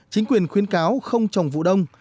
chính quyền khuyến cáo không trồng vụ đông